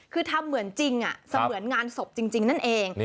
คือทำเหมือนจริงเสมือนงานศพจริงนั่นเอง